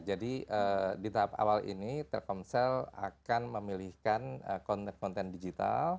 jadi di tahap awal ini telekomsel akan memilihkan konten konten digital